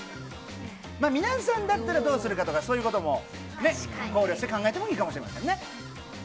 皆さんだったらどうするかとか、そういうこともね、考慮して考えてもいいかもしれませんね。